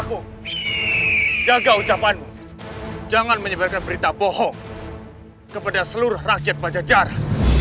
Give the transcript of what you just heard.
aku jaga ucapanmu jangan menyebarkan berita bohong kepada seluruh rakyat pajajar